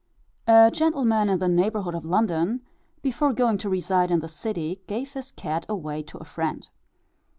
A gentleman in the neighbourhood of London, before going to reside in the city gave his cat away to a friend.